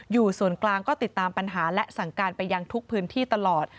อยู่ส่วนกลางก็ติดตามปัญหาและสั่งการไปยังทุกพื้นที่ตลอด